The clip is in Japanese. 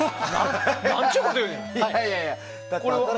なんちゅうこと言うねん！